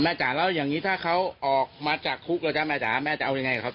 อ่ะแม่จ๋าเล่าอย่างนี้ถ้าเขาออกมาจากคุกแล้วมันก็จะแม่นี่จะเอาได้ยังไงของเขาต่อ